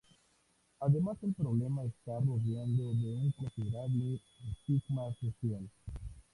Además el problema está rodeado de un considerable estigma social.